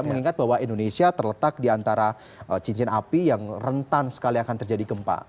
mengingat bahwa indonesia terletak di antara cincin api yang rentan sekali akan terjadi gempa